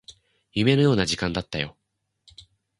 夢のような時間だったよ